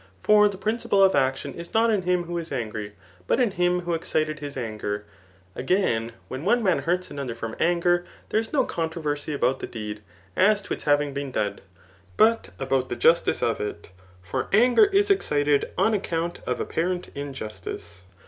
For the principle of action is not in him who is angry, but in him who excited his anger. Again, [when one man hurts another from anger] there is no controversy about the Digitized by Google CHAP. Vm. ETHICS. 181 deed, as to its having been done, but about the justice of it } for anger is excited on account of apparent injustice.